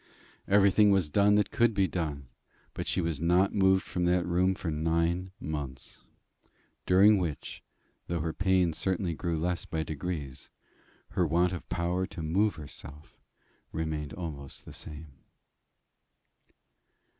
Everything was done that could be done; but she was not moved from that room for nine months, during which, though her pain certainly grew less by degrees, her want of power to move herself remained almost the same.